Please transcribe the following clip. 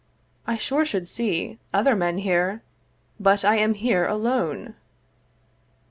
I sure should see 'Other men here; but I am here alone.'